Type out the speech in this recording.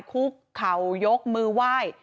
คุกเข่ายกมือไหว้